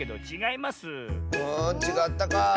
あちがったか。